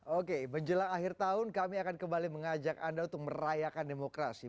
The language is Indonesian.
oke menjelang akhir tahun kami akan kembali mengajak anda untuk merayakan demokrasi